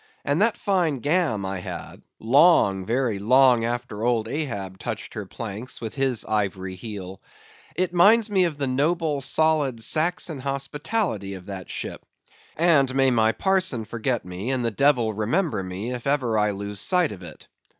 And that fine gam I had—long, very long after old Ahab touched her planks with his ivory heel—it minds me of the noble, solid, Saxon hospitality of that ship; and may my parson forget me, and the devil remember me, if I ever lose sight of it.